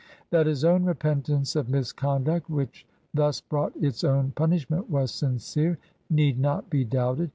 "That his repentance of misconduct, which thus brought its own punishment, was sincere, need not be doubted.